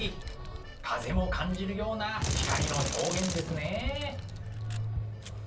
風も感じるような光の表現ですね。